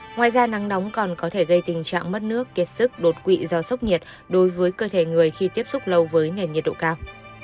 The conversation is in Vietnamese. ngoài ra nắng nóng còn có thể gây tình trạng mất nước kiệt sức đột quỵ do sốc nhiệt đối với cơ thể người khi tiếp xúc lâu với nền nhiệt độ cao